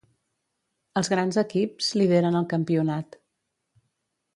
Els grans equips lideren el campionat.